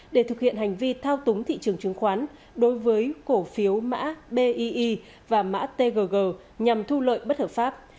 để thực hiện hành vi thao túng thị trường chứng khoán đối với cổ phiếu mã bi và mã tg nhằm thu lợi bất hợp pháp